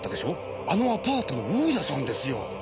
あのアパートの大家さんですよ。